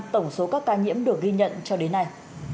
tổng số các ca nhiễm được ghi nhận cho đến nay